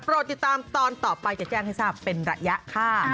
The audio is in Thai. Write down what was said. ติดตามตอนต่อไปจะแจ้งให้ทราบเป็นระยะค่ะ